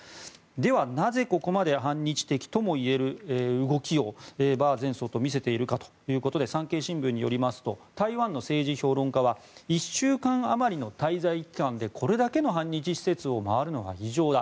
では、なぜここまで反日的ともいえる動きを馬前総統は見せているかというと産経新聞によりますと台湾の政治評論家は１週間余りの滞在期間でこれだけの反日施設を回るのは異常だ。